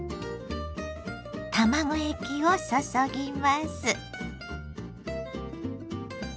卵液を注ぎます。